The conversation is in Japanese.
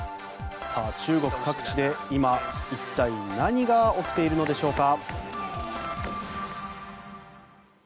中国各地で今、一体、何が起きているのでしょうか。